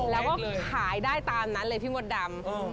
แล้วก็ขายได้ตามนั้นเลยพี่มดดำ